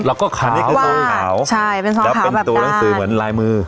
แล้วก็ขาวใช่เป็นสองขาวแบบนั้นแล้วเป็นตัวหนังสือเหมือนลายมือ